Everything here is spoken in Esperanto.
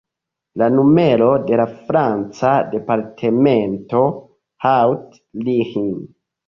La numero de la franca departemento Haut-Rhin.